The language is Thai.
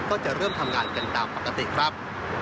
ก็จะเริ่มทำงานกันตามปกติครับ